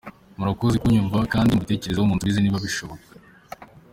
Murakoze kunyumva kdi mubitekerezeho munsubize niba bishoboka.